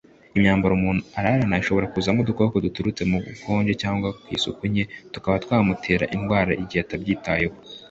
Imyambaro umuntu ararana ishobora kuzamo udukoko duturutse ku bukonje cyangwa ku isuku nke tukaba twamutera indwara igihe atabyitaho